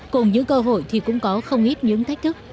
cùng những cơ hội thì cũng có không ít những thách thức